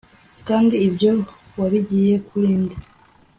kandi ibyo wabigiye kuri nde